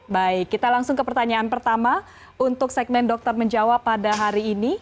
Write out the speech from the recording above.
baik kita langsung ke pertanyaan pertama untuk segmen dokter menjawab pada hari ini